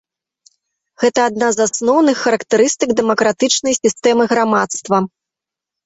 Гэта адна з асноўных характарыстык дэмакратычнай сістэмы грамадства.